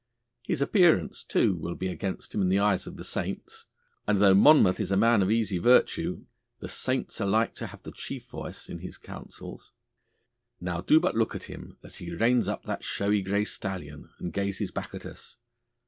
His appearance, too, will be against him in the eyes of the saints; and though Monmouth is a man of easy virtue, the saints are like to have the chief voice in his councils. Now do but look at him as he reins up that showy grey stallion and gazes back at us.